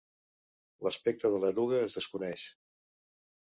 L'aspecte de l'eruga es desconeix.